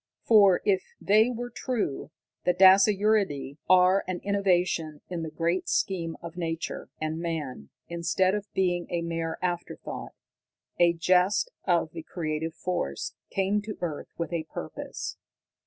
For, if they were true, the dasyuridae are an innovation in the great scheme of nature, and man, instead of being a mere afterthought, a jest of the Creative Force, came to earth with a purpose.